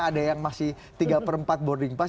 ada yang masih tiga per empat boarding pass